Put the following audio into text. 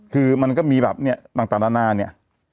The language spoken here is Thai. คือมันก็มีแบบเนี่ยต่างนานาเนี่ย